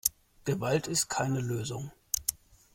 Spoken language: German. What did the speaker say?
Gewalt ist keine Lösung.